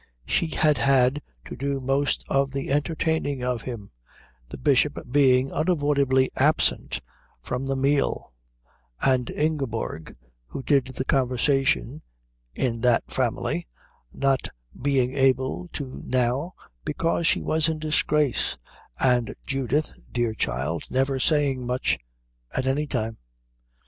She had had to do most of the entertaining of him, the Bishop being unavoidably absent from the meal, and Ingeborg, who did the conversation in that family, not being able to now because she was in disgrace, and Judith, dear child, never saying much at any time.